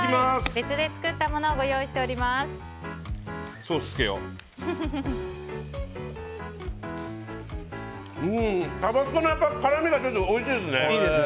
別で作ったものをご用意してあります。